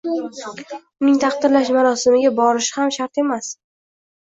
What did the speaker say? Uning taqdirlash marosimiga borishi ham shart emas.